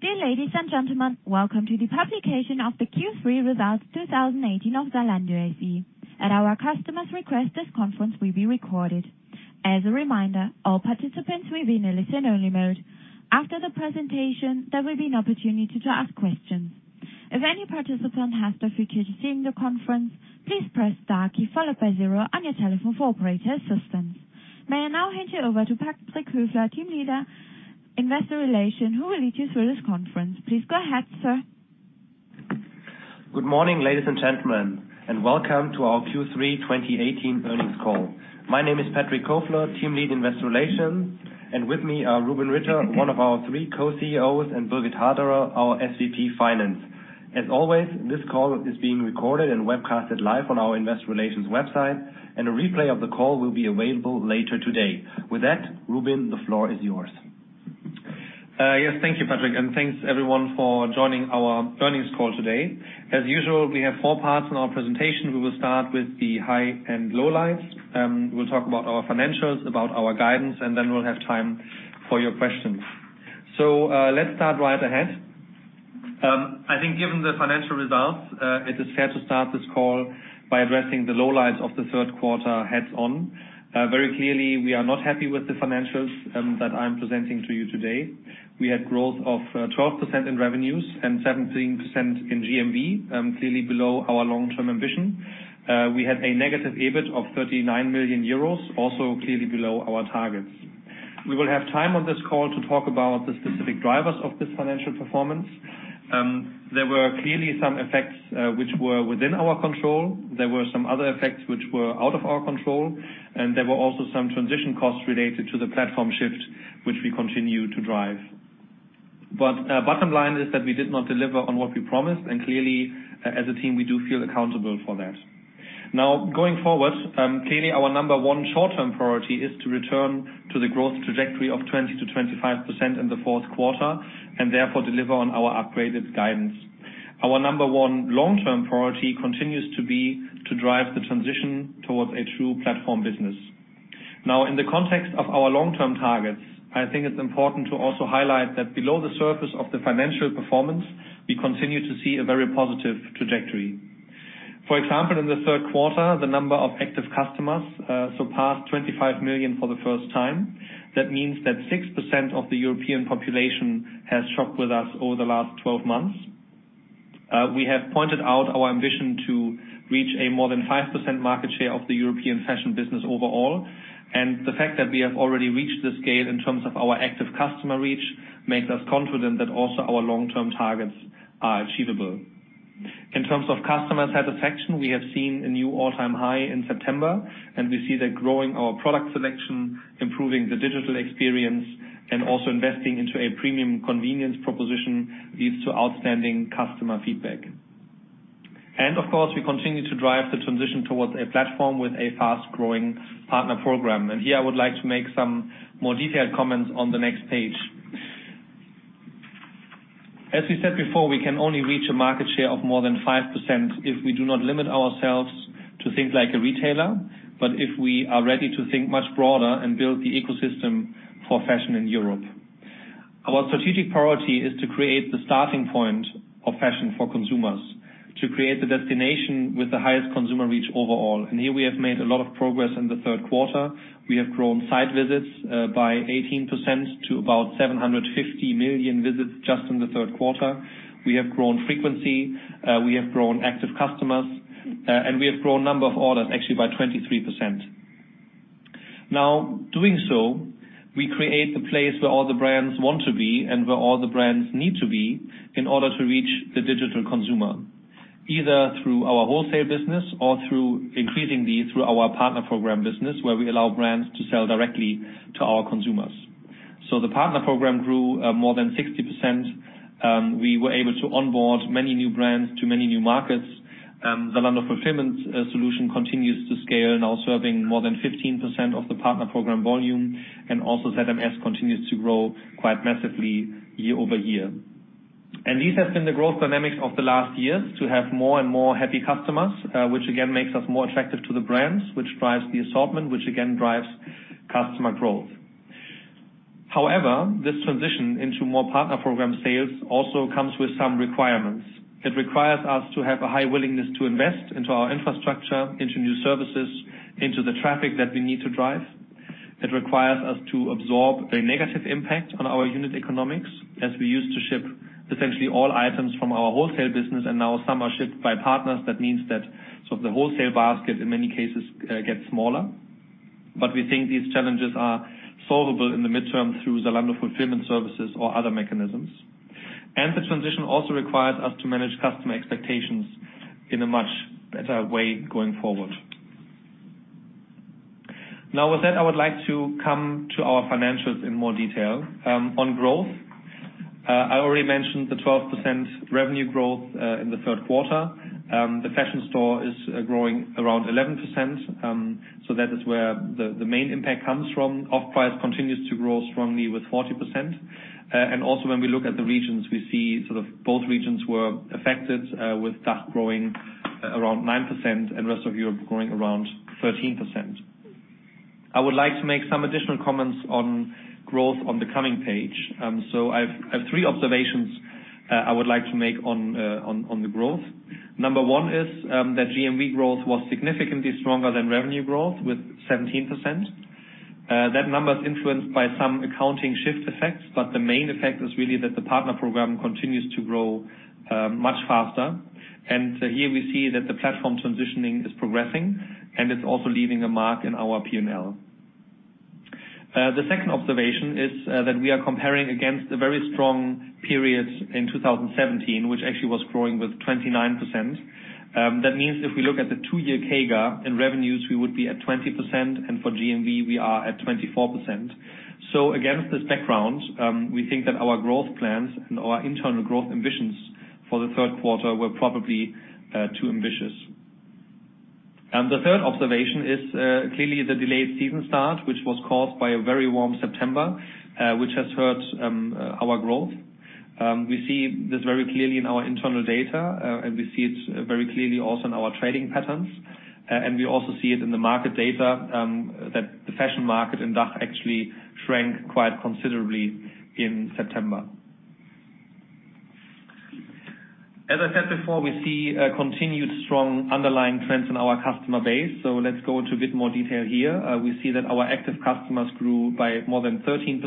Dear ladies and gentlemen, welcome to the publication of the Q3 results 2018 of Zalando SE. At our customers' request, this conference will be recorded. As a reminder, all participants will be in a listen-only mode. After the presentation, there will be an opportunity to ask questions. If any participant has difficulty hearing the conference, please press star key followed by zero on your telephone for operator assistance. May I now hand you over to Patrick Kofler, Team Leader, Investor Relations, who will lead you through this conference. Please go ahead, sir. Good morning, ladies and gentlemen, welcome to our Q3 2018 earnings call. My name is Patrick Kofler, Team Lead, Investor Relations, and with me are Rubin Ritter, one of our three co-CEOs, and Birgit Haderer, our SVP Finance. As always, this call is being recorded and webcasted live on our investor relations website, and a replay of the call will be available later today. With that, Rubin, the floor is yours. Yes. Thank you, Patrick, and thanks everyone for joining our earnings call today. As usual, we have four parts in our presentation. We will start with the high and lowlights. We will talk about our financials, about our guidance, and then we will have time for your questions. Let's start right ahead. I think given the financial results, it is fair to start this call by addressing the lowlights of the third quarter heads-on. Very clearly, we are not happy with the financials that I am presenting to you today. We had growth of 12% in revenues and 17% in GMV, clearly below our long-term ambition. We had a negative EBIT of 39 million euros, also clearly below our targets. We will have time on this call to talk about the specific drivers of this financial performance. There were clearly some effects which were within our control. There were some other effects which were out of our control, and there were also some transition costs related to the platform shift, which we continue to drive. Bottom line is that we did not deliver on what we promised, and clearly, as a team, we do feel accountable for that. Now, going forward, clearly our number one short-term priority is to return to the growth trajectory of 20%-25% in the fourth quarter, and therefore deliver on our upgraded guidance. Our number one long-term priority continues to be to drive the transition towards a true platform business. Now, in the context of our long-term targets, I think it is important to also highlight that below the surface of the financial performance, we continue to see a very positive trajectory. For example, in the third quarter, the number of active customers surpassed 25 million for the first time. That means that 6% of the European population has shopped with us over the last 12 months. We have pointed out our ambition to reach a more than 5% market share of the European fashion business overall, the fact that we have already reached the scale in terms of our active customer reach makes us confident that also our long-term targets are achievable. In terms of customer satisfaction, we have seen a new all-time high in September, and we see that growing our product selection, improving the digital experience, also investing into a premium convenience proposition leads to outstanding customer feedback. Of course, we continue to drive the transition towards a platform with a fast-growing partner program. Here I would like to make some more detailed comments on the next page. As we said before, we can only reach a market share of more than 5% if we do not limit ourselves to think like a retailer, but if we are ready to think much broader and build the ecosystem for fashion in Europe. Our strategic priority is to create the starting point of fashion for consumers, to create the destination with the highest consumer reach overall. Here we have made a lot of progress in the third quarter. We have grown site visits by 18% to about 750 million visits just in the third quarter. We have grown frequency, we have grown active customers, we have grown number of orders actually by 23%. Now, doing so, we create the place where all the brands want to be and where all the brands need to be in order to reach the digital consumer, either through our wholesale business or increasingly through our partner program business, where we allow brands to sell directly to our consumers. The partner program grew more than 60%. We were able to onboard many new brands to many new markets. Zalando Fulfillment Solutions continues to scale, now serving more than 15% of the partner program volume. Also ZMS continues to grow quite massively year-over-year. These have been the growth dynamics of the last years, to have more and more happy customers, which again, makes us more attractive to the brands, which drives the assortment, which again, drives customer growth. However, this transition into more partner program sales also comes with some requirements. It requires us to have a high willingness to invest into our infrastructure, into new services, into the traffic that we need to drive. It requires us to absorb the negative impact on our unit economics as we used to ship essentially all items from our wholesale business, and now some are shipped by partners. That means that the wholesale basket in many cases gets smaller. We think these challenges are solvable in the midterm through Zalando Fulfillment Solutions or other mechanisms. The transition also requires us to manage customer expectations in a much better way going forward. With that, I would like to come to our financials in more detail. On growth, I already mentioned the 12% revenue growth in the third quarter. The fashion store is growing around 11%. That is where the main impact comes from. Offprice continues to grow strongly with 40%. Also when we look at the regions, we see both regions were affected, with DACH growing around 9% and rest of Europe growing around 13%. I would like to make some additional comments on growth on the coming page. I have three observations I would like to make on the growth. Number one is that GMV growth was significantly stronger than revenue growth, with 17%. That number is influenced by some accounting shift effects, but the main effect is really that the partner program continues to grow much faster. Here we see that the platform transitioning is progressing, and it's also leaving a mark in our P&L. The second observation is that we are comparing against a very strong period in 2017, which actually was growing with 29%. That means if we look at the two-year CAGR in revenues, we would be at 20%, and for GMV, we are at 24%. Against this background, we think that our growth plans and our internal growth ambitions for the third quarter were probably too ambitious. The third observation is clearly the delayed season start, which was caused by a very warm September, which has hurt our growth. We see this very clearly in our internal data, and we see it very clearly also in our trading patterns. We also see it in the market data, that the fashion market in DACH actually shrank quite considerably in September. As I said before, we see a continued strong underlying trends in our customer base. Let's go into a bit more detail here. We see that our active customers grew by more than 13%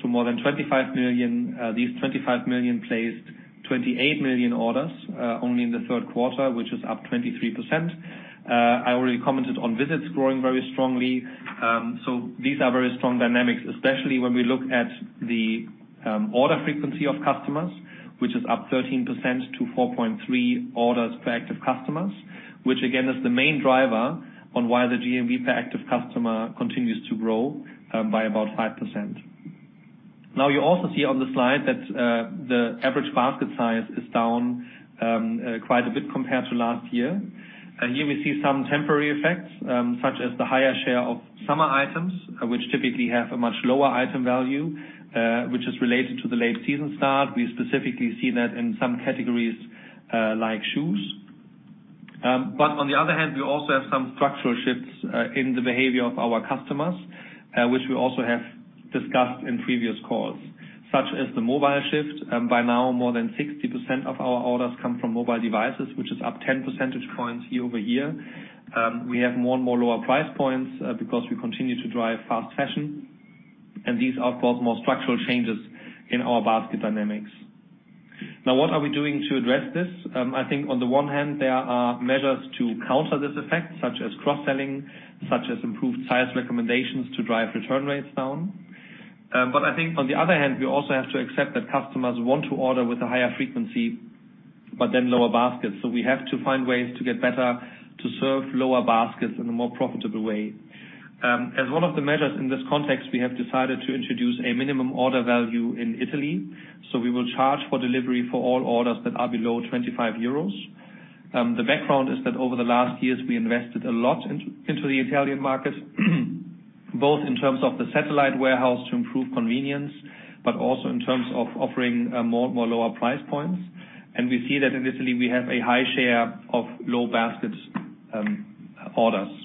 to more than 25 million. These 25 million placed 28 million orders only in the third quarter, which is up 23%. I already commented on visits growing very strongly. These are very strong dynamics, especially when we look at the order frequency of customers, which is up 13% to 4.3 orders for active customers, which again, is the main driver on why the GMV per active customer continues to grow by about 5%. You also see on the slide that the average basket size is down quite a bit compared to last year. Here we see some temporary effects, such as the higher share of summer items, which typically have a much lower item value, which is related to the late season start. We specifically see that in some categories like shoes. On the other hand, we also have some structural shifts in the behavior of our customers, which we also have discussed in previous calls, such as the mobile shift. By now, more than 60% of our orders come from mobile devices, which is up 10 percentage points year-over-year. We have more and more lower price points because we continue to drive fast fashion. These are, of course, more structural changes in our basket dynamics. What are we doing to address this? I think on the one hand, there are measures to counter this effect, such as cross-selling, such as improved size recommendations to drive return rates down. I think on the other hand, we also have to accept that customers want to order with a higher frequency, but then lower baskets. We have to find ways to get better to serve lower baskets in a more profitable way. As one of the measures in this context, we have decided to introduce a minimum order value in Italy. We will charge for delivery for all orders that are below 25 euros. The background is that over the last years, we invested a lot into the Italian market, both in terms of the satellite warehouse to improve convenience, but also in terms of offering more lower price points. We see that in Italy, we have a high share of low basket orders.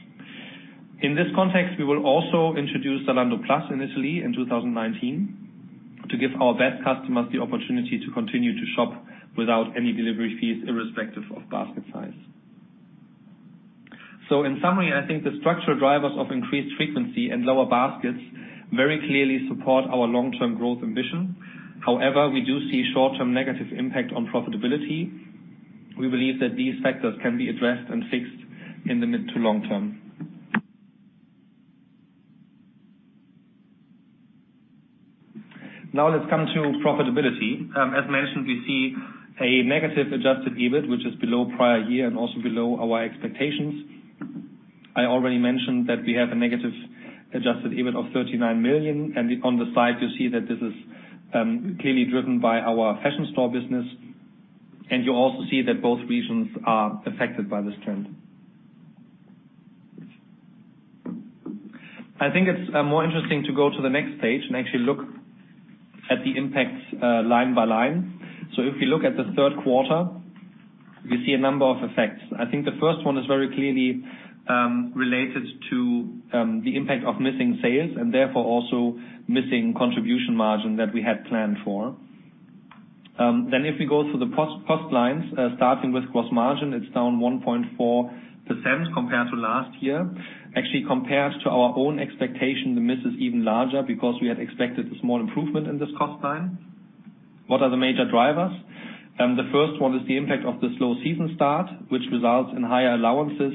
In this context, we will also introduce Zalando Plus in Italy in 2019 to give our best customers the opportunity to continue to shop without any delivery fees, irrespective of basket size. In summary, I think the structural drivers of increased frequency and lower baskets very clearly support our long-term growth ambition. However, we do see short-term negative impact on profitability. We believe that these factors can be addressed and fixed in the mid to long term. Let's come to profitability. As mentioned, we see a negative adjusted EBIT, which is below prior year and also below our expectations. I already mentioned that we have a negative adjusted EBIT of 39 million, and on the side, you see that this is clearly driven by our fashion store business. You also see that both regions are affected by this trend. I think it's more interesting to go to the next page and actually look at the impacts line by line. If you look at the third quarter, we see a number of effects. I think the first one is very clearly related to the impact of missing sales and therefore also missing contribution margin that we had planned for. If we go through the cost lines, starting with gross margin, it's down 1.4% compared to last year. Actually, compared to our own expectation, the miss is even larger because we had expected a small improvement in this cost line. What are the major drivers? The first one is the impact of the slow season start, which results in higher allowances,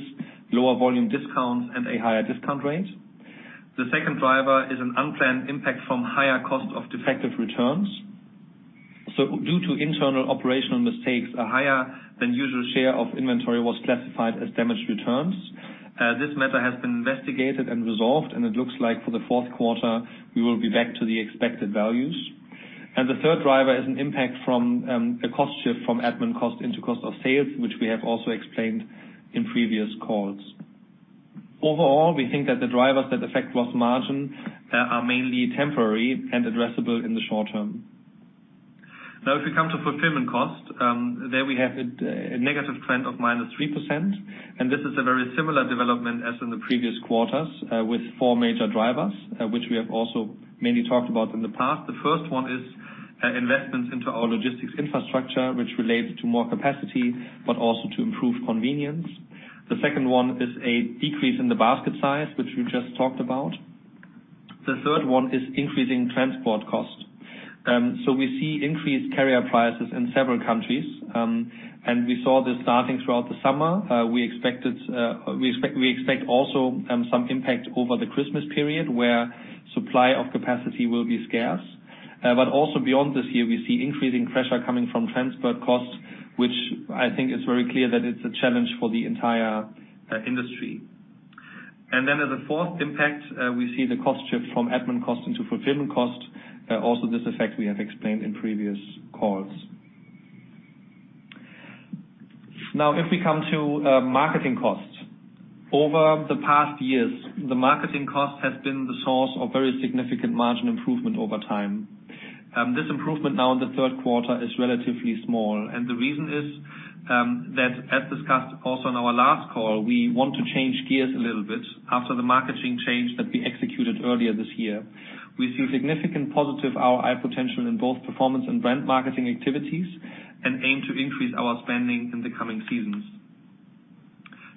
lower volume discounts, and a higher discount rate. The second driver is an unplanned impact from higher cost of defective returns. Due to internal operational mistakes, a higher than usual share of inventory was classified as damaged returns. This matter has been investigated and resolved, and it looks like for the fourth quarter, we will be back to the expected values. The third driver is an impact from a cost shift from admin cost into cost of sales, which we have also explained in previous calls. Overall, we think that the drivers that affect gross margin are mainly temporary and addressable in the short term. If we come to fulfillment cost, there we have a negative trend of -3%. This is a very similar development as in the previous quarters with four major drivers, which we have also mainly talked about in the past. The first one is investments into our logistics infrastructure, which relates to more capacity, but also to improved convenience. The second one is a decrease in the basket size, which we just talked about. The third one is increasing transport cost. We see increased carrier prices in several countries, and we saw this starting throughout the summer. We expect also some impact over the Christmas period, where supply of capacity will be scarce. Also beyond this year, we see increasing pressure coming from transport costs, which I think is very clear that it's a challenge for the entire industry. As a fourth impact, we see the cost shift from admin cost into fulfillment cost. Also, this effect we have explained in previous calls. If we come to marketing costs. Over the past years, the marketing cost has been the source of very significant margin improvement over time. This improvement now in the third quarter is relatively small. The reason is that, as discussed also on our last call, we want to change gears a little bit after the marketing change that we executed earlier this year. We see significant positive ROI potential in both performance and brand marketing activities and aim to increase our spending in the coming seasons.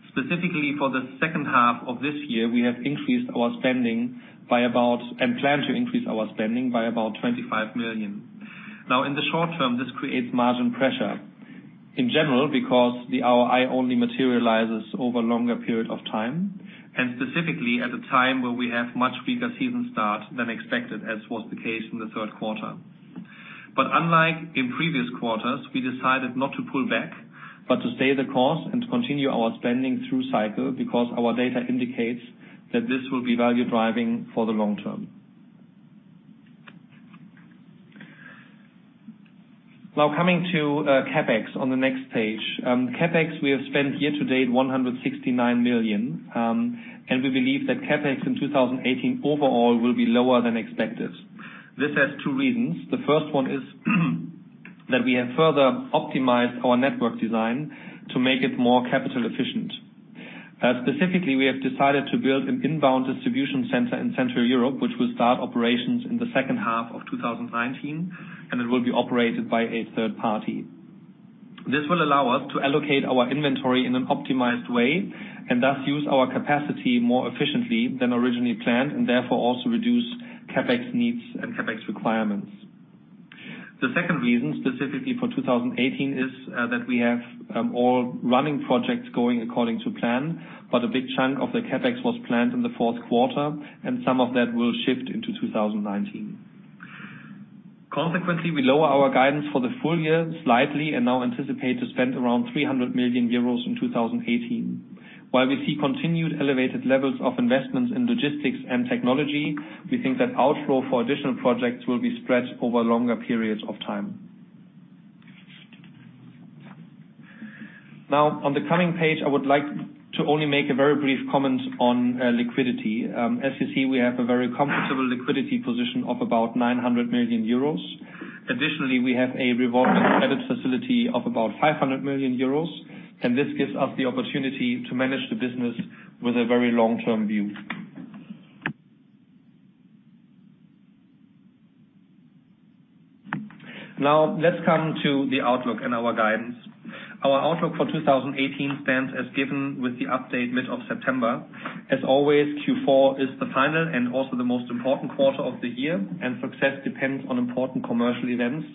Specifically, for the second half of this year, we have increased our spending by about, and plan to increase our spending by about 25 million. In the short term, this creates margin pressure. In general, because the ROI only materializes over a longer period of time, and specifically at a time where we have much weaker season start than expected, as was the case in the third quarter. Unlike in previous quarters, we decided not to pull back, but to stay the course and continue our spending through cycle because our data indicates that this will be value-driving for the long term. Coming to CapEx on the next page. CapEx, we have spent year to date 169 million. We believe that CapEx in 2018 overall will be lower than expected. This has two reasons. The first one is that we have further optimized our network design to make it more capital efficient. Specifically, we have decided to build an inbound distribution center in Central Europe, which will start operations in the second half of 2019, and it will be operated by a third party. This will allow us to allocate our inventory in an optimized way and thus use our capacity more efficiently than originally planned and therefore also reduce CapEx needs and CapEx requirements. The second reason specifically for 2018 is that we have all running projects going according to plan, but a big chunk of the CapEx was planned in the fourth quarter, and some of that will shift into 2019. Consequently, we lower our guidance for the full year slightly and now anticipate to spend around 300 million euros in 2018. While we see continued elevated levels of investments in logistics and technology, we think that outflow for additional projects will be spread over longer periods of time. On the coming page, I would like to only make a very brief comment on liquidity. As you see, we have a very comfortable liquidity position of about 900 million euros. Additionally, we have a revolving credit facility of about 500 million euros, this gives us the opportunity to manage the business with a very long-term view. Let's come to the outlook and our guidance. Our outlook for 2018 stands as given with the update mid of September. As always, Q4 is the final and also the most important quarter of the year, and success depends on important commercial events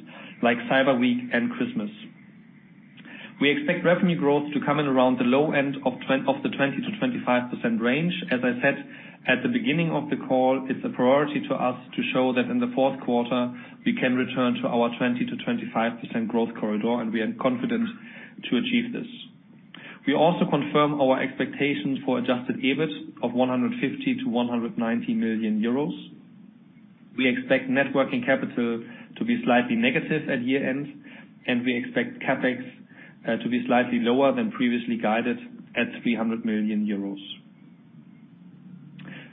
like Cyber Week and Christmas. We expect revenue growth to come in around the low end of the 20%-25% range. As I said at the beginning of the call, it's a priority to us to show that in the fourth quarter we can return to our 20%-25% growth corridor, and we are confident to achieve this. We also confirm our expectations for adjusted EBIT of 150 million-190 million euros. We expect net working capital to be slightly negative at year-end, and we expect CapEx to be slightly lower than previously guided at 300 million euros.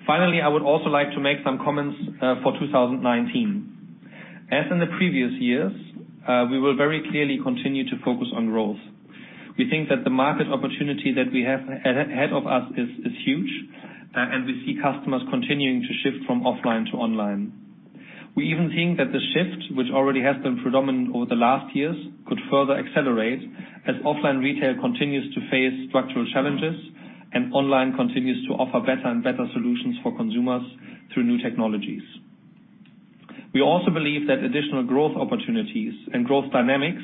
Finally, I would also like to make some comments for 2019. As in the previous years, we will very clearly continue to focus on growth. We think that the market opportunity that we have ahead of us is huge, and we see customers continuing to shift from offline to online. We even think that the shift, which already has been predominant over the last years, could further accelerate as offline retail continues to face structural challenges and online continues to offer better and better solutions for consumers through new technologies. We also believe that additional growth opportunities and growth dynamics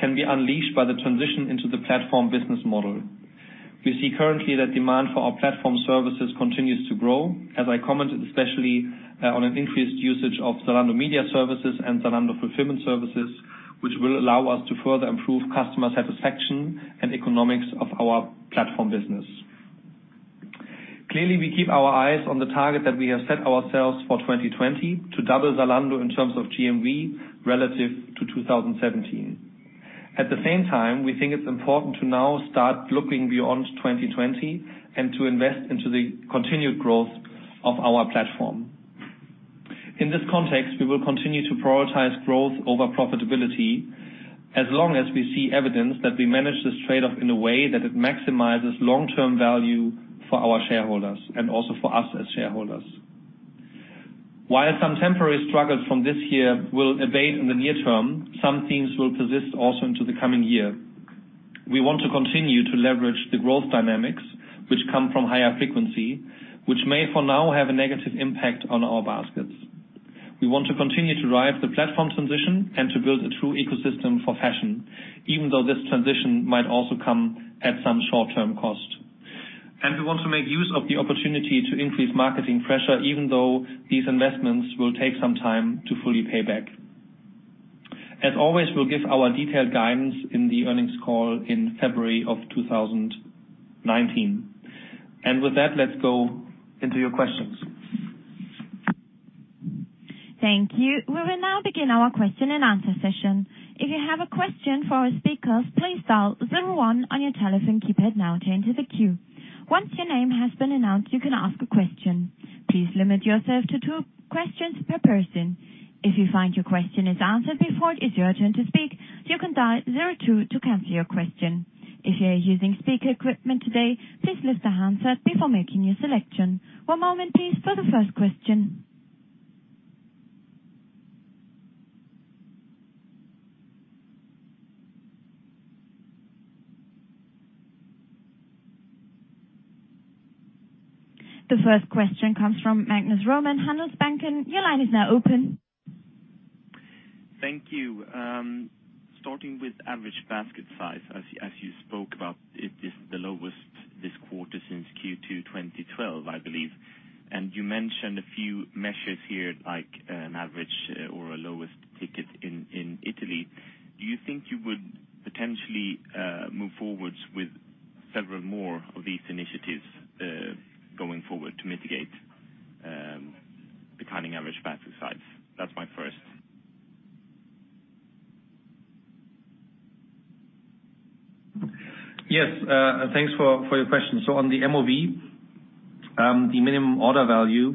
can be unleashed by the transition into the platform business model. We see currently that demand for our platform services continues to grow. As I commented, especially on an increased usage of Zalando Marketing Services and Zalando Fulfillment Solutions, which will allow us to further improve customer satisfaction and economics of our platform business. Clearly, we keep our eyes on the target that we have set ourselves for 2020 to double Zalando in terms of GMV relative to 2017. At the same time, we think it's important to now start looking beyond 2020 and to invest into the continued growth of our platform. In this context, we will continue to prioritize growth over profitability as long as we see evidence that we manage this trade-off in a way that it maximizes long-term value for our shareholders and also for us as shareholders. While some temporary struggles from this year will abate in the near term, some themes will persist also into the coming year. We want to continue to leverage the growth dynamics which come from higher frequency, which may for now have a negative impact on our baskets. We want to continue to drive the platform transition and to build a true ecosystem for fashion, even though this transition might also come at some short-term cost. We want to make use of the opportunity to increase marketing pressure, even though these investments will take some time to fully pay back. As always, we'll give our detailed guidance in the earnings call in February of 2019. With that, let's go into your questions. Thank you. We will now begin our question-and-answer session. If you have a question for our speakers, please dial 01 on your telephone keypad now to enter the queue. Once your name has been announced, you can ask a question. Please limit yourself to two questions per person. If you find your question is answered before it is your turn to speak, you can dial 02 to cancel your question. If you are using speaker equipment today, please lift the handset before making your selection. One moment please for the first question. The first question comes from Magnus Råman, Handelsbanken. Your line is now open. Thank you. Starting with average basket size as you spoke about it, is the lowest this quarter since Q2 2012, I believe. You mentioned a few measures here, like an average or a lowest ticket in Italy. Do you think you would potentially move forwards with several more of these initiatives, going forward to mitigate declining average basket size? That's my first. Yes, thanks for your question. On the MOV, the minimum order value,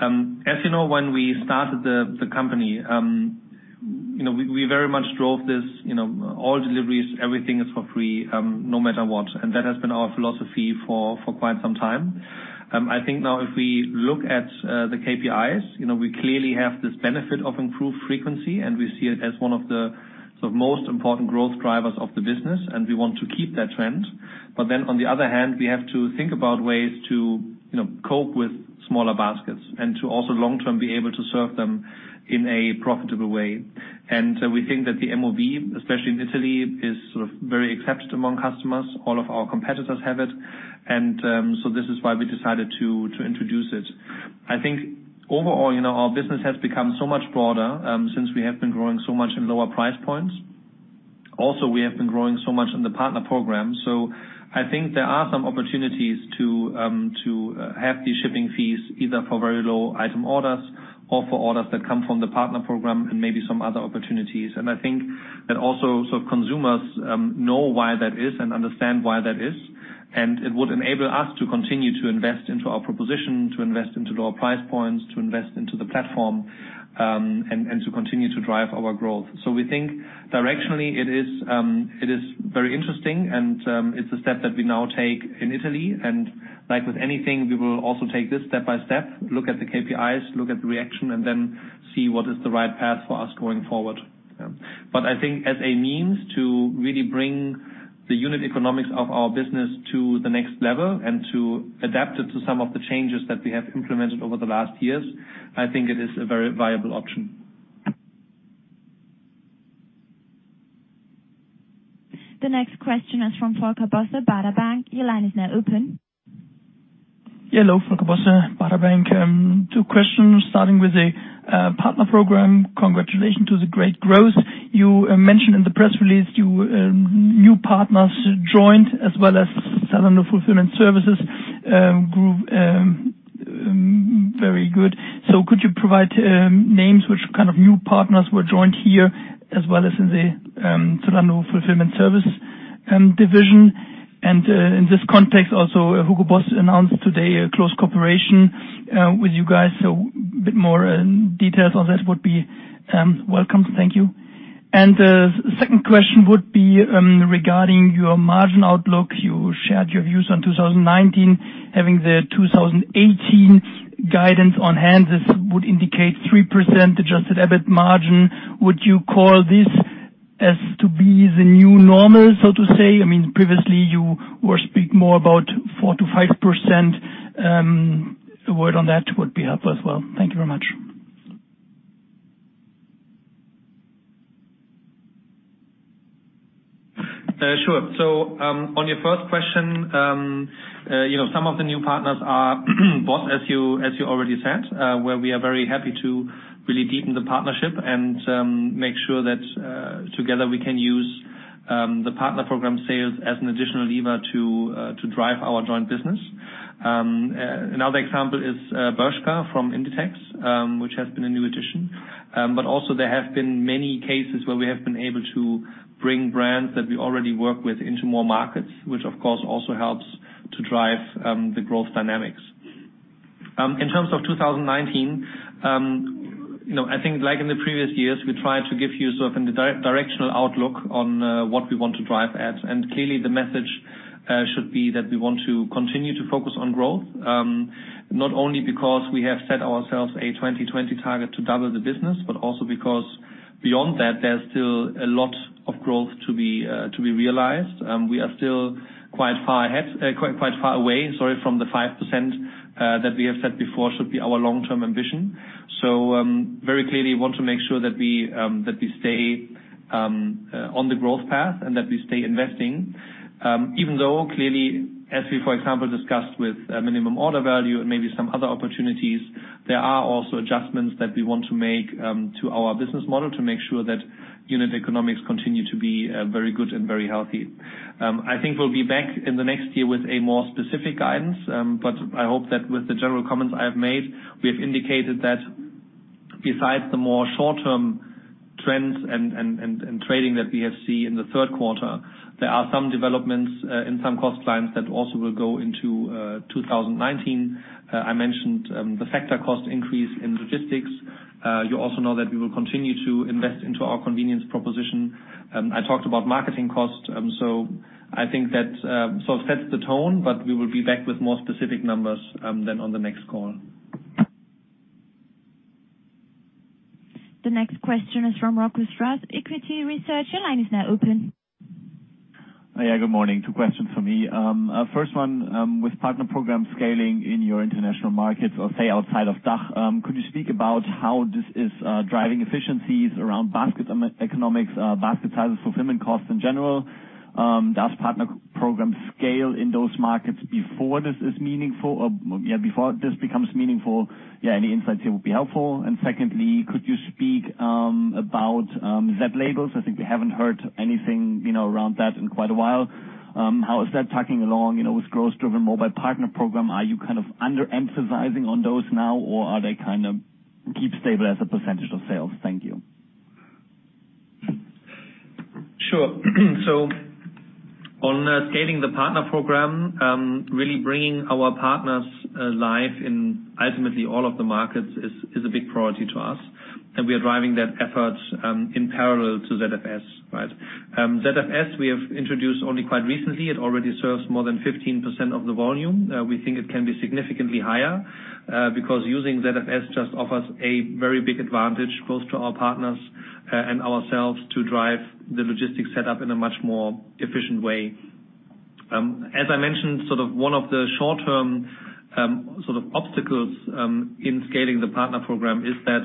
as you know, when we started the company, we very much drove this all deliveries, everything is for free, no matter what. That has been our philosophy for quite some time. I think now if we look at the KPIs, we clearly have this benefit of improved frequency, we see it as one of the most important growth drivers of the business, we want to keep that trend. On the other hand, we have to think about ways to cope with smaller baskets and to also long-term be able to serve them in a profitable way. We think that the MOV, especially in Italy, is very accepted among customers. All of our competitors have it. This is why we decided to introduce it. I think overall, our business has become so much broader, since we have been growing so much in lower price points. Also, we have been growing so much in the partner program. I think there are some opportunities to have these shipping fees either for very low item orders or for orders that come from the partner program and maybe some other opportunities. I think that also consumers know why that is and understand why that is. It would enable us to continue to invest into our proposition, to invest into lower price points, to invest into the platform, and to continue to drive our growth. We think directionally it is very interesting and it's a step that we now take in Italy. Like with anything, we will also take this step by step, look at the KPIs, look at the reaction, and then see what is the right path for us going forward. I think as a means to really bring the unit economics of our business to the next level and to adapt it to some of the changes that we have implemented over the last years, I think it is a very viable option. The next question is from Volker Bosse, Baader Bank. Your line is now open. Hello, Volker Bosse, Baader Bank. Two questions starting with the partner program. Congratulations on the great growth. You mentioned in the press release new partners joined as well as Zalando Fulfillment Solutions grew very good. Could you provide names which kind of new partners were joined here as well as in the Zalando Fulfillment Solutions division? In this context also, Hugo Boss announced today a close cooperation with you guys. A bit more details on this would be welcome. Thank you. The second question would be, regarding your margin outlook. You shared your views on 2019. Having the 2018 guidance on hand, this would indicate 3% adjusted EBIT margin. Would you call this as to be the new normal, so to say? I mean, previously you were speaking more about 4%-5%. A word on that would be helpful as well. Thank you very much. Sure. On your first question, some of the new partners are Boss, as you already said, where we are very happy to really deepen the partnership and make sure that together we can use the partner program sales as an additional lever to drive our joint business. Another example is Bershka from Inditex, which has been a new addition. Also there have been many cases where we have been able to bring brands that we already work with into more markets, which of course also helps to drive the growth dynamics. In terms of 2019, I think like in the previous years, we try to give you the directional outlook on what we want to drive at. Clearly the message should be that we want to continue to focus on growth. Not only because we have set ourselves a 2020 target to double the business, but also because beyond that, there's still a lot of growth to be realized. We are still quite far away from the 5% that we have said before should be our long-term ambition. Very clearly want to make sure that we stay on the growth path and that we stay investing. Even though clearly, as we, for example, discussed with minimum order value and maybe some other opportunities, there are also adjustments that we want to make to our business model to make sure that unit economics continue to be very good and very healthy. I think we'll be back in the next year with a more specific guidance. I hope that with the general comments I have made, we have indicated that besides the more short-term trends and trading that we have seen in the third quarter, there are some developments in some cost lines that also will go into 2019. I mentioned the factor cost increase in logistics. You also know that we will continue to invest into our convenience proposition. I talked about marketing costs. I think that sort of sets the tone, but we will be back with more specific numbers then on the next call. The next question is from Rocco Strauss, Arete Research. Your line is now open. Good morning. Two questions for me. First one, with partner program scaling in your international markets or say outside of DACH, could you speak about how this is driving efficiencies around basket economics, basket sizes, fulfillment costs in general? Does partner program scale in those markets before this becomes meaningful? Any insights here would be helpful. Secondly, could you speak about zLabels? I think we haven't heard anything around that in quite a while. How is that tucking along? With growth-driven mobile partner program, are you kind of under-emphasizing on those now, or are they kind of keep stable as a percentage of sales? Thank you. Sure. On scaling the partner program, really bringing our partners alive in ultimately all of the markets is a big priority to us, and we are driving that effort in parallel to ZFS, right? ZFS, we have introduced only quite recently. It already serves more than 15% of the volume. We think it can be significantly higher, because using ZFS just offers a very big advantage both to our partners and ourselves to drive the logistics set up in a much more efficient way. As I mentioned, sort of one of the short-term sort of obstacles in scaling the partner program is that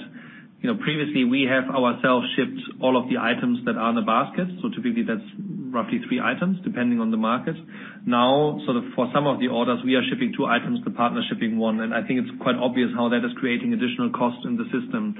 previously we have ourselves shipped all of the items that are in the basket. Typically that's roughly three items, depending on the market. Now, sort of for some of the orders, we are shipping two items, the partner's shipping one, I think it's quite obvious how that is creating additional cost in the system.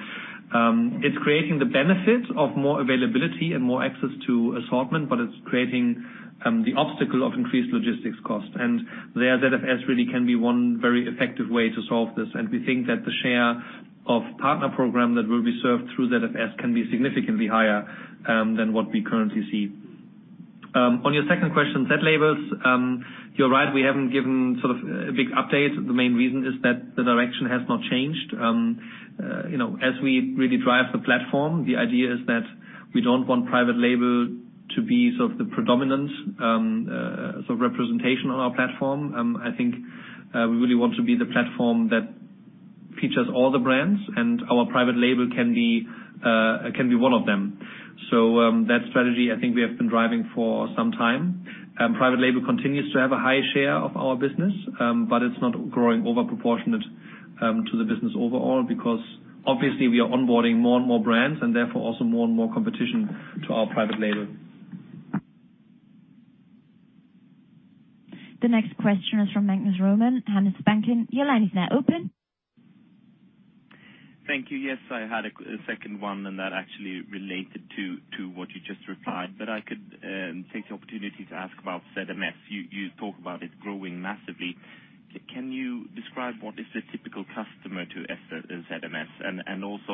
It's creating the benefit of more availability and more access to assortment, but it's creating the obstacle of increased logistics cost. There ZFS really can be one very effective way to solve this. We think that the share of partner program that will be served through ZFS can be significantly higher than what we currently see. On your second question, zLabels, you're right, we haven't given sort of a big update. The main reason is that the direction has not changed. As we really drive the platform, the idea is that we don't want private label to be sort of the predominant sort of representation on our platform. I think we really want to be the platform that features all the brands. Our private label can be one of them. That strategy I think we have been driving for some time. Private label continues to have a high share of our business, but it's not growing over proportionate to the business overall because obviously we are onboarding more and more brands and therefore also more and more competition to our private label. The next question is from Magnus Råman, Handelsbanken. Your line is now open. Thank you. Yes, I had a second one and that actually related to what you just replied, but I could take the opportunity to ask about ZMS. You talk about it growing massively. Can you describe what is the typical customer to ZMS?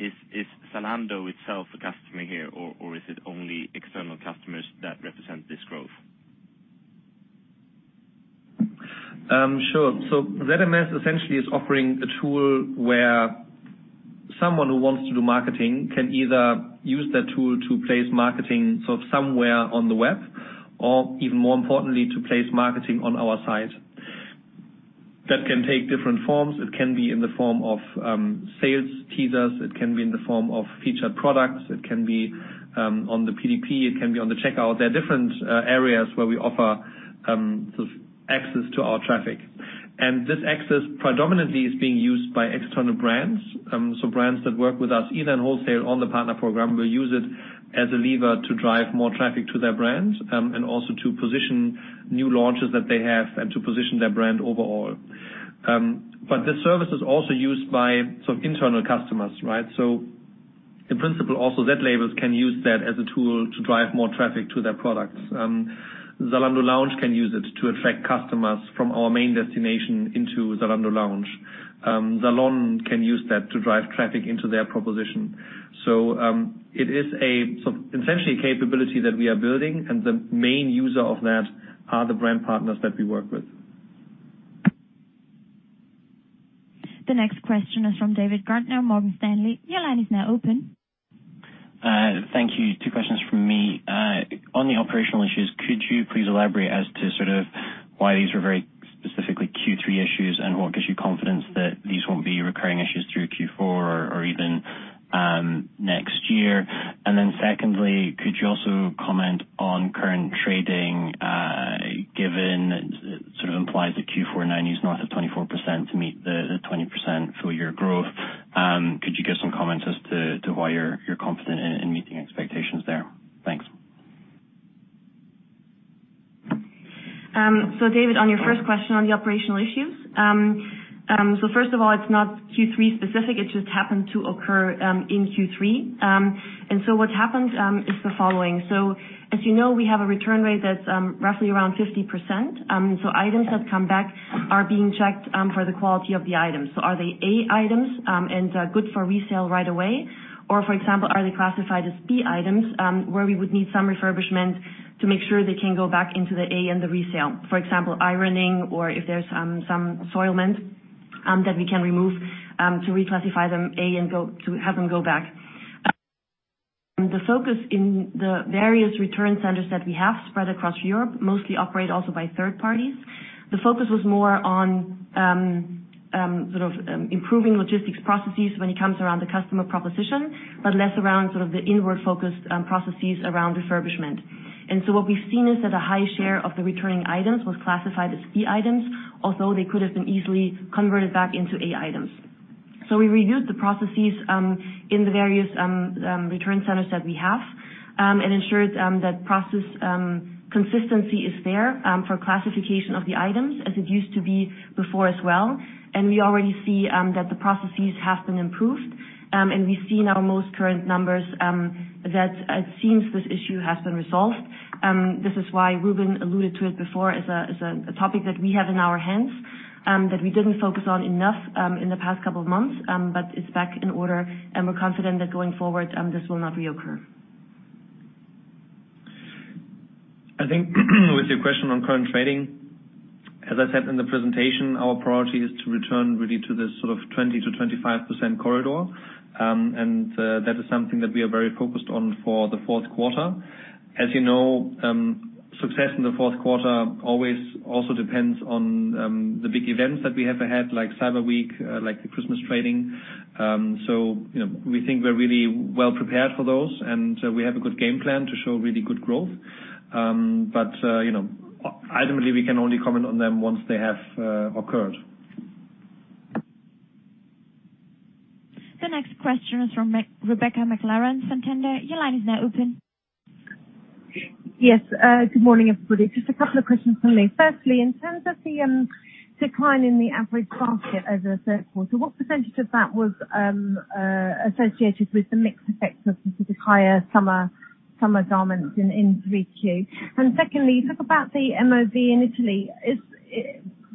Is Zalando itself a customer here, or is it only external customers that represent this growth? Sure. ZMS essentially is offering a tool where someone who wants to do marketing can either use that tool to place marketing sort of somewhere on the web, or even more importantly, to place marketing on our site. That can take different forms. It can be in the form of sales teasers. It can be in the form of featured products. It can be on the PDP. It can be on the checkout. There are different areas where we offer access to our traffic. This access predominantly is being used by external brands. Brands that work with us either in wholesale or on the partner program, will use it as a lever to drive more traffic to their brands, and also to position new launches that they have and to position their brand overall. This service is also used by some internal customers, right? In principle, also zLabels can use that as a tool to drive more traffic to their products. Zalando Lounge can use it to attract customers from our main destination into Zalando Lounge. Zalon can use that to drive traffic into their proposition. It is essentially a capability that we are building, and the main user of that are the brand partners that we work with. The next question is from David Gardner, Morgan Stanley. Your line is now open. Thank you. Two questions from me. On the operational issues, could you please elaborate as to why these were very specifically Q3 issues, and what gives you confidence that these won't be recurring issues through Q4 or even next year? Secondly, could you also comment on current trading, given sort of implies that Q4 is not at 24% to meet the 20% full year growth. Could you give some comments as to why you're confident in meeting expectations there? Thanks. David, on your first question on the operational issues. First of all, it's not Q3 specific. It just happened to occur in Q3. What happened is the following. As you know, we have a return rate that's roughly around 50%. Items that come back are being checked for the quality of the items. Are they A items and good for resale right away? Or for example, are they classified as B items, where we would need some refurbishment to make sure they can go back into the A and the resale. For example, ironing, or if there's some soiling that we can remove to reclassify them A and have them go back. The focus in the various return centers that we have spread across Europe, mostly operate also by third parties. The focus was more on improving logistics processes when it comes around the customer proposition, but less around the inward-focused processes around refurbishment. What we've seen is that a high share of the returning items was classified as B items, although they could have been easily converted back into A items. We reviewed the processes in the various return centers that we have and ensured that process consistency is there for classification of the items as it used to be before as well. We already see that the processes have been improved. We see in our most current numbers that it seems this issue has been resolved. This is why Rubin alluded to it before as a topic that we have in our hands, that we didn't focus on enough in the past couple of months. It's back in order, and we're confident that going forward, this will not reoccur. I think with your question on current trading, as I said in the presentation, our priority is to return really to this sort of 20%-25% corridor. That is something that we are very focused on for the fourth quarter. As you know, success in the fourth quarter always also depends on the big events that we have ahead, like Cyber Week, like the Christmas trading. We think we're really well prepared for those, and we have a good game plan to show really good growth. Ultimately, we can only comment on them once they have occurred. The next question is from Rebecca McClellan, Santander. Your line is now open. Yes. Good morning, everybody. Just a couple of questions from me. Firstly, in terms of the decline in the average basket over the third quarter, what % of that was associated with the mix effects of specific higher summer garments in 3Q? Secondly, you talk about the MOV in Italy.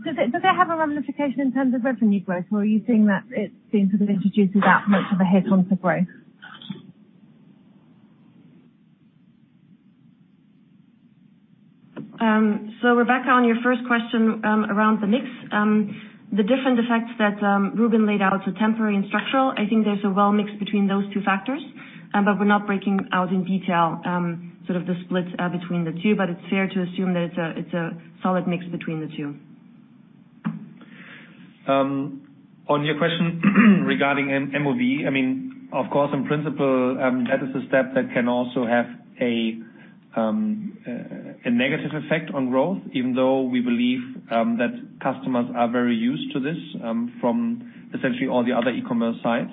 Does it have a ramification in terms of revenue growth, or are you seeing that it's being sort of introduced without much of a hit on to growth? Rebecca, on your first question around the mix. The different effects that Rubin laid out to temporary and structural, I think there's a well mix between those two factors. We're not breaking out in detail the splits between the two. It's fair to assume that it's a solid mix between the two. On your question regarding MOV, of course, in principle, that is a step that can also have a negative effect on growth, even though we believe that customers are very used to this from essentially all the other e-commerce sites.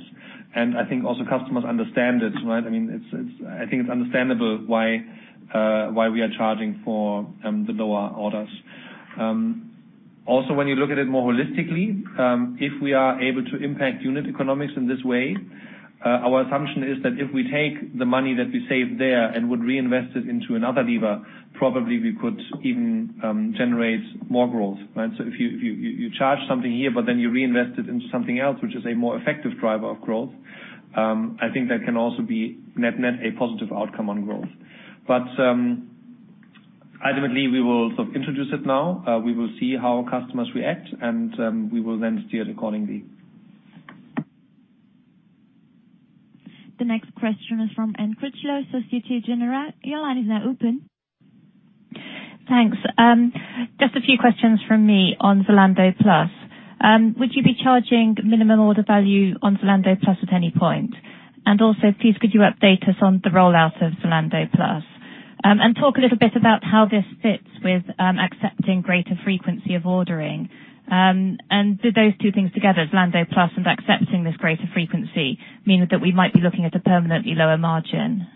I think also customers understand it. I think it's understandable why we are charging for the lower orders. When you look at it more holistically, if we are able to impact unit economics in this way, our assumption is that if we take the money that we saved there and would reinvest it into another lever, probably we could even generate more growth. If you charge something here, then you reinvest it into something else, which is a more effective driver of growth, I think that can also be net a positive outcome on growth. Ultimately, we will introduce it now. We will see how customers react, and we will then steer accordingly. The next question is from Anne Critchlow, Societe Generale. Your line is now open. Thanks. Just a few questions from me on Zalando Plus. Would you be charging minimum order value on Zalando Plus at any point? Please could you update us on the rollout of Zalando Plus? Talk a little bit about how this fits with accepting greater frequency of ordering. Do those two things together, Zalando Plus and accepting this greater frequency, mean that we might be looking at a permanently lower margin?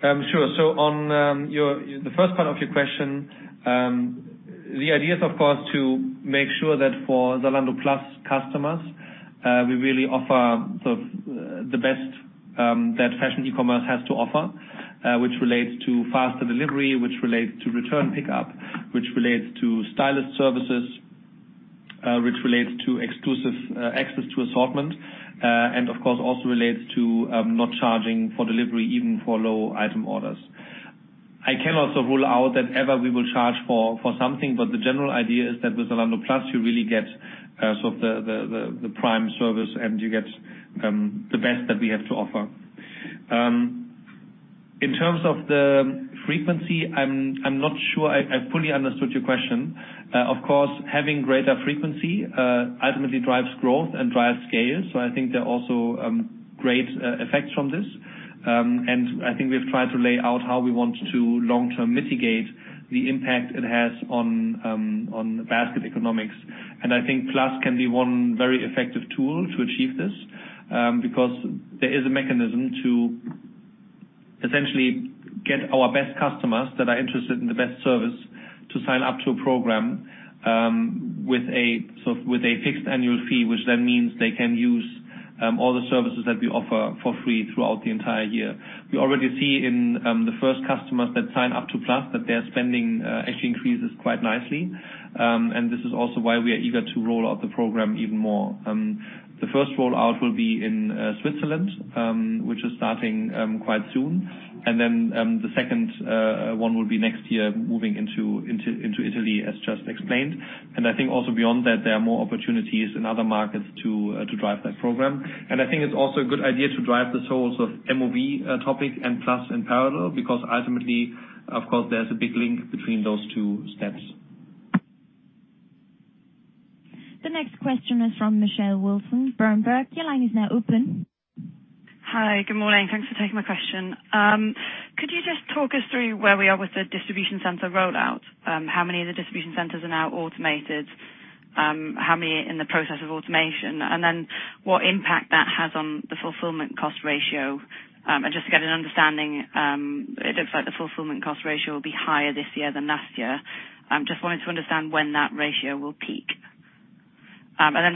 Sure. On the first part of your question, the idea is, of course, to make sure that for Zalando Plus customers, we really offer the best that fashion e-commerce has to offer which relates to faster delivery, which relates to return pickup, which relates to stylist services, which relates to exclusive access to assortment. Of course, also relates to not charging for delivery even for low item orders. I cannot rule out that ever we will charge for something, but the general idea is that with Zalando Plus, you really get the prime service and you get the best that we have to offer. In terms of the frequency, I'm not sure I fully understood your question. Of course, having greater frequency ultimately drives growth and drives scale. I think there are also great effects from this. I think we've tried to lay out how we want to long-term mitigate the impact it has on the basket economics. I think Plus can be one very effective tool to achieve this, because there is a mechanism to essentially get our best customers that are interested in the best service to sign up to a program with a fixed annual fee, which then means they can use all the services that we offer for free throughout the entire year. We already see in the first customers that sign up to Plus that their spending actually increases quite nicely. This is also why we are eager to roll out the program even more. The first rollout will be in Switzerland, which is starting quite soon. The second one will be next year moving into Italy as just explained. I think also beyond that, there are more opportunities in other markets to drive that program. I think it's also a good idea to drive this whole sort of MOV topic and Plus in parallel, because ultimately, of course, there's a big link between those two steps. The next question is from Michelle Wilson, Berenberg. Your line is now open. Hi. Good morning. Thanks for taking my question. Could you just talk us through where we are with the distribution center rollout? How many of the distribution centers are now automated? How many are in the process of automation? What impact that has on the fulfillment cost ratio. Just to get an understanding, it looks like the fulfillment cost ratio will be higher this year than last year. Just wanted to understand when that ratio will peak.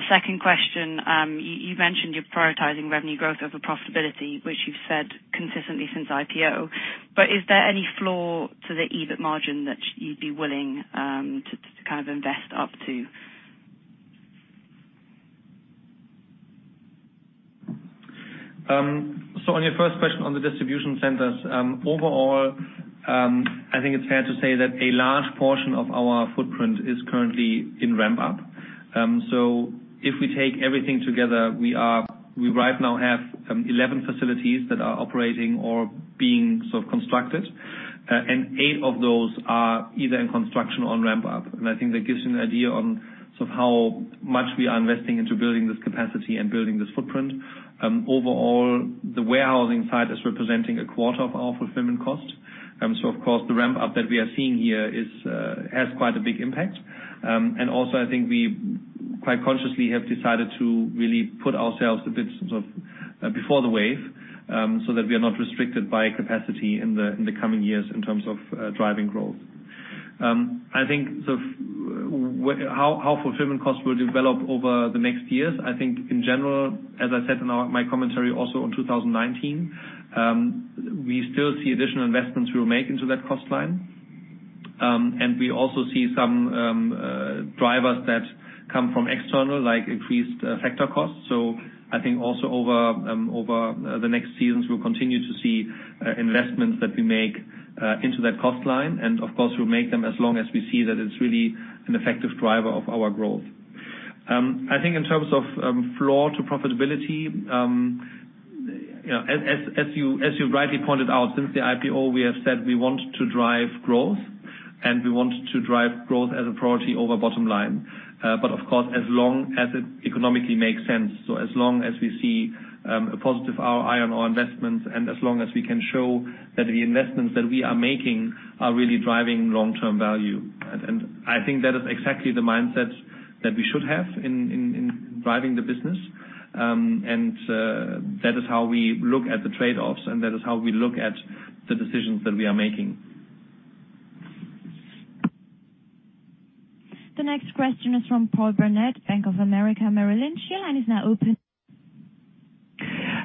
Second question, you mentioned you're prioritizing revenue growth over profitability, which you've said consistently since IPO. Is there any floor to the EBIT margin that you'd be willing to kind of invest up to? On your first question on the distribution centers. Overall, I think it's fair to say that a large portion of our footprint is currently in ramp up. If we take everything together, we right now have 11 facilities that are operating or being constructed. Eight of those are either in construction or ramp up. I think that gives you an idea on how much we are investing into building this capacity and building this footprint. Overall, the warehousing side is representing a quarter of our fulfillment cost. Of course, the ramp up that we are seeing here has quite a big impact. Also, I think we quite consciously have decided to really put ourselves a bit before the wave, so that we are not restricted by capacity in the coming years in terms of driving growth. I think how fulfillment costs will develop over the next years, I think in general, as I said in my commentary also on 2019, we still see additional investments we will make into that cost line. We also see some drivers that come from external, like increased factor costs. I think also over the next seasons, we'll continue to see investments that we make into that cost line. Of course, we'll make them as long as we see that it's really an effective driver of our growth. I think in terms of floor to profitability, as you rightly pointed out, since the IPO, we have said we want to drive growth and we want to drive growth as a priority over bottom line. Of course, as long as it economically makes sense. As long as we see a positive ROI on our investments, and as long as we can show that the investments that we are making are really driving long-term value. I think that is exactly the mindset that we should have in driving the business. That is how we look at the trade-offs, and that is how we look at the decisions that we are making. The next question is from Paul Bonnet, Bank of America, Merrill Lynch. Your line is now open.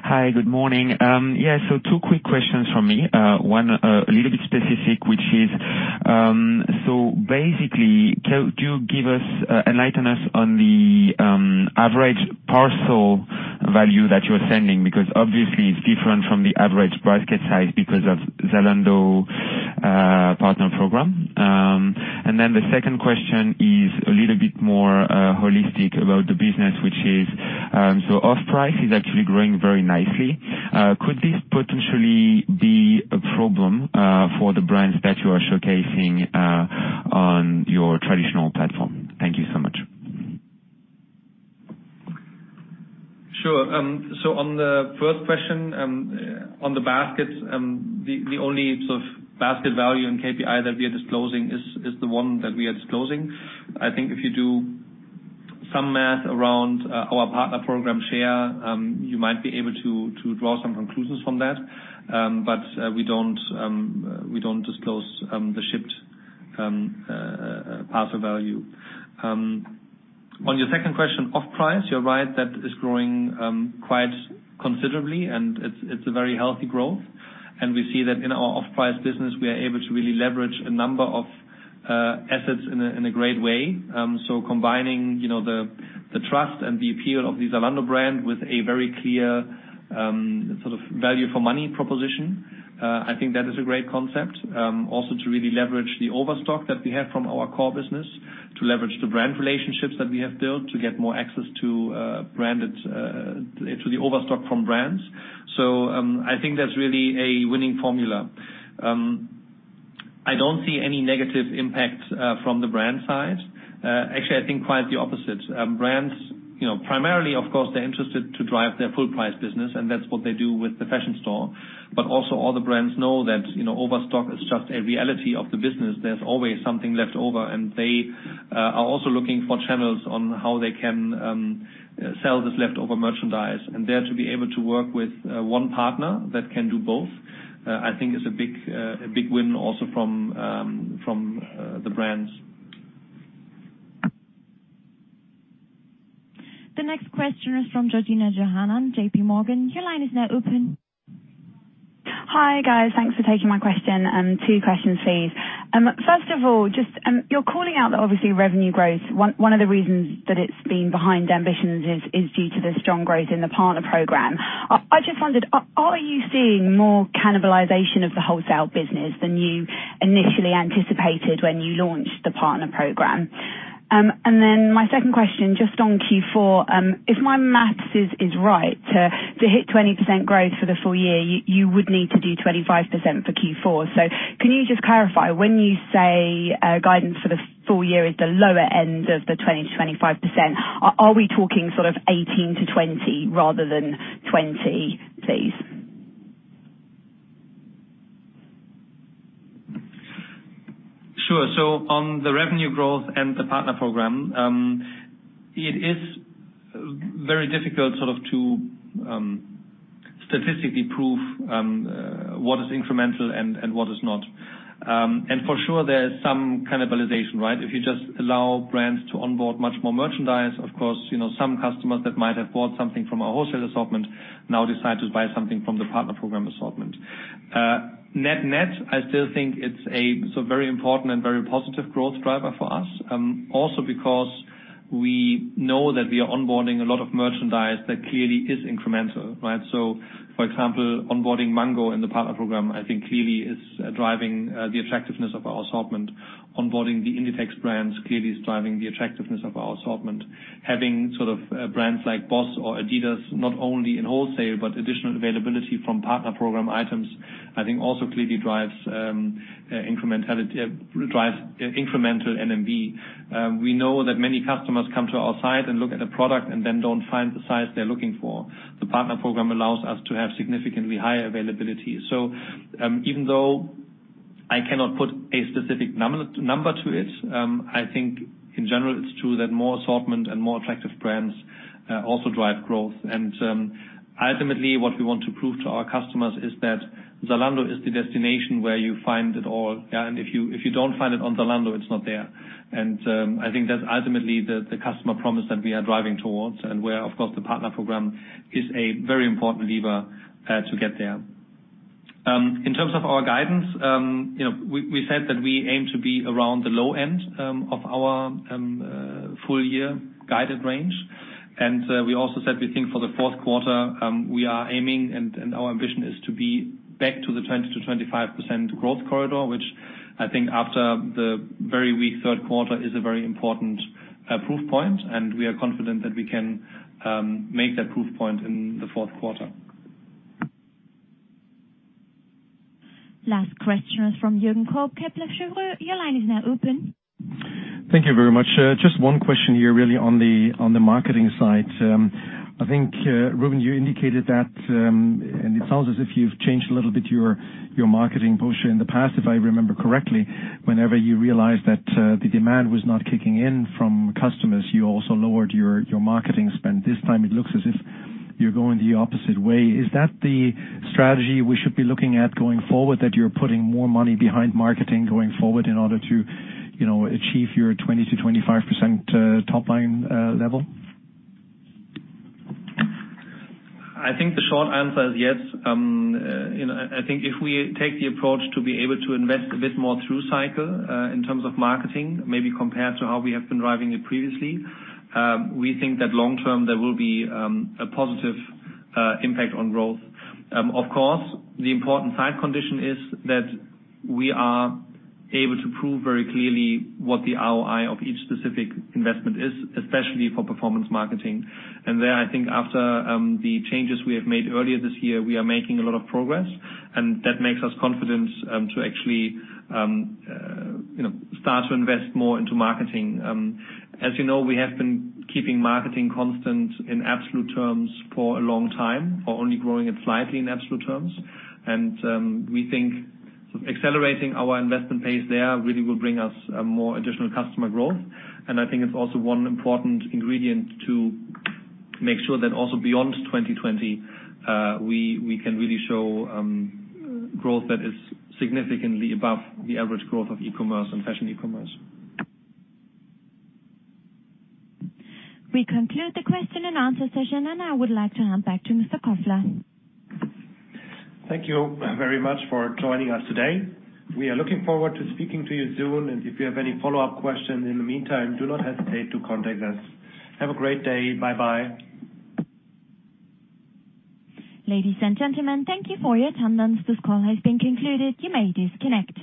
Hi. Good morning. Yeah. Two quick questions from me. One, a little bit specific, which is, basically, do you enlighten us on the average parcel value that you're sending? Because obviously it's different from the average basket size because of Zalando Partner Program. The second question is a little bit more holistic about the business, which is, Offprice is actually growing very nicely. Could this potentially be a problem for the brands that you are showcasing on your traditional platform? Thank you so much. Sure. On the first question on the basket, the only sort of basket value and KPI that we are disclosing is the one that we are disclosing. I think if you do some math around our Partner Program share, you might be able to draw some conclusions from that. We don't disclose the shipped parcel value. On your second question, Offprice, you're right, that is growing quite considerably, and it's a very healthy growth. We see that in our Offprice business, we are able to really leverage a number of assets in a great way. Combining the trust and the appeal of the Zalando brand with a very clear value for money proposition. I think that is a great concept. To really leverage the overstock that we have from our core business, to leverage the brand relationships that we have built to get more access to the overstock from brands. I think that's really a winning formula. I don't see any negative impact from the brand side. Actually, I think quite the opposite. Brands, primarily, of course, they're interested to drive their full-price business, and that's what they do with the fashion store. Also all the brands know that overstock is just a reality of the business. There's always something left over, and they are also looking for channels on how they can sell this leftover merchandise. There, to be able to work with one partner that can do both, I think is a big win also from the brands. The next question is from Georgina Johanan, JPMorgan. Your line is now open. Hi, guys. Thanks for taking my question. Two questions, please. First of all, you're calling out that obviously revenue growth, one of the reasons that it's been behind ambitions is due to the strong growth in the partner program. I just wondered, are you seeing more cannibalization of the wholesale business than you initially anticipated when you launched the partner program? My second question, just on Q4, if my maths is right, to hit 20% growth for the full year, you would need to do 25% for Q4. Can you just clarify when you say guidance for the full year is the lower end of the 20%-25%? Are we talking sort of 18%-20% rather than 20%, please? Sure. On the revenue growth and the partner program, it is very difficult to statistically prove what is incremental and what is not. For sure, there is some cannibalization, right? If you just allow brands to onboard much more merchandise, of course, some customers that might have bought something from our wholesale assortment now decide to buy something from the partner program assortment. Net-net, I still think it's a very important and very positive growth driver for us. Because we know that we are onboarding a lot of merchandise that clearly is incremental, right? For example, onboarding Mango in the partner program, I think clearly is driving the attractiveness of our assortment. Onboarding the Inditex brands clearly is driving the attractiveness of our assortment. Having brands like Boss or Adidas not only in wholesale, but additional availability from partner program items, I think also clearly drives incremental GMV. We know that many customers come to our site and look at a product and then don't find the size they're looking for. The partner program allows us to have significantly higher availability. Even though I cannot put a specific number to it, I think in general it's true that more assortment and more attractive brands, also drive growth. Ultimately what we want to prove to our customers is that Zalando is the destination where you find it all. If you don't find it on Zalando, it's not there. I think that's ultimately the customer promise that we are driving towards, and where, of course, the partner program is a very important lever to get there. In terms of our guidance, we said that we aim to be around the low end of our full-year guided range. We also said we think for the fourth quarter, we are aiming and our ambition is to be back to the 20%-25% growth corridor, which I think after the very weak third quarter is a very important proof point, and we are confident that we can make that proof point in the fourth quarter. Last question is from Jürgen Kolb, Kepler Cheuvreux. Your line is now open. Thank you very much. Just one question here, really on the marketing side. I think, Rubin, you indicated that, and it sounds as if you've changed a little bit your marketing push in the past, if I remember correctly. Whenever you realized that the demand was not kicking in from customers, you also lowered your marketing spend. This time it looks as if you're going the opposite way. Is that the strategy we should be looking at going forward, that you're putting more money behind marketing going forward in order to achieve your 20%-25% top-line level? I think the short answer is yes. I think if we take the approach to be able to invest a bit more through cycle, in terms of marketing, maybe compared to how we have been driving it previously, we think that long term there will be a positive impact on growth. Of course, the important side condition is that we are able to prove very clearly what the ROI of each specific investment is, especially for performance marketing. There, I think after the changes we have made earlier this year, we are making a lot of progress, and that makes us confidence to actually start to invest more into marketing. As you know, we have been keeping marketing constant in absolute terms for a long time, or only growing it slightly in absolute terms. We think accelerating our investment pace there really will bring us more additional customer growth. I think it's also one important ingredient to make sure that also beyond 2020, we can really show growth that is significantly above the average growth of e-commerce and fashion e-commerce. We conclude the question and answer session. I would like to hand back to Mr. Kofler. Thank you very much for joining us today. We are looking forward to speaking to you soon, if you have any follow-up questions in the meantime, do not hesitate to contact us. Have a great day. Bye-bye. Ladies and gentlemen, thank you for your attendance. This call has been concluded. You may disconnect.